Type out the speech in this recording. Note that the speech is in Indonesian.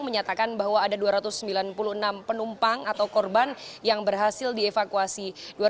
menyatakan bahwa ada dua ratus sembilan puluh enam penumpang atau korban yang berhasil dievakuasi